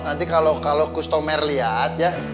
nanti kalau gustomer lihat ya